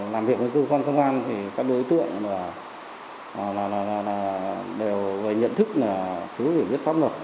làm việc với tư phân thông an thì các đối tượng đều nhận thức là thiếu hiểu biết pháp luật